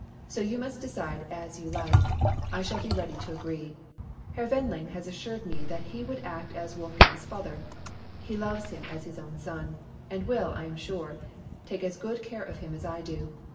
So you must decide as you like I shall be ready to agree. Herr Wendling has assured me that he would act as Wolfgang's father. He loves him as his own son, and will, I am sure, take as good care of him as I do.